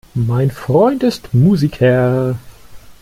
Mein Freund ist Musiker.